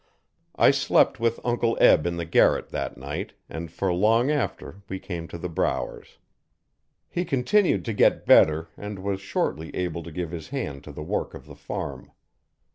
I slept with Uncle Eb in the garret, that night, and for long after we came to the Brower's. He continued to get better, and was shortly able to give his hand to the work of the farm.